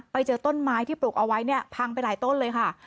ไปเจอต้นไม้ที่ปลูกเอาไว้เนี่ยพังไปหลายต้นเลยค่ะ